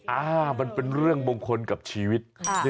อ่ามันเป็นเรื่องมงคลกับชีวิต